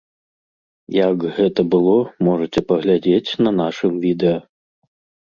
Як гэта было, можаце паглядзець на нашым відэа.